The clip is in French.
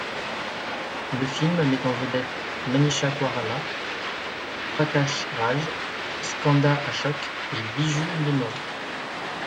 Le film met en vedette Manisha Koirala, Prakash Raj, Skanda Ashok et Biju Menon.